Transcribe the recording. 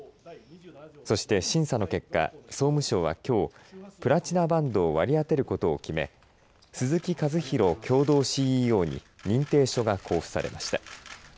そして審査の結果総務省はきょうプラチナバンドを割り当てることを決め鈴木和洋共同ＣＥＯに認定書が交付されました。